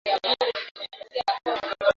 Mambo yanayopelekea ugonjwa wa kiwele kutokea